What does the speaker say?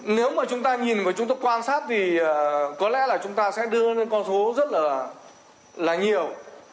nếu mà chúng ta nhìn của chúng tôi quan sát thì có lẽ là chúng ta sẽ đưa lên con số rất là nhiều